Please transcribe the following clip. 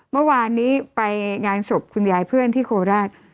เมื่อวานนี้ไปงานศพคุณยายเพื่อนที่โคราช